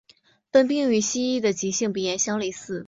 本病与西医的急性鼻炎相类似。